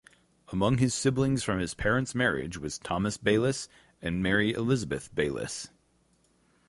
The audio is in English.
Among his siblings from his parents marriage was Thomas Baylis and Mary Elizabeth Baylis.